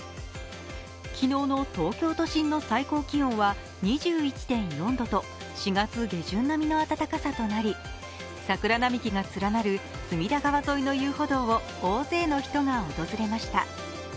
昨日の東京都心の最高気温は２１．４度と４月下旬並みの暖かさとなり、桜並木が連なる隅田川沿いの遊歩道を大勢の人が訪れました。